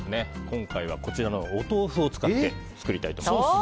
今回はこちらのお豆腐を使って作りたいと思います。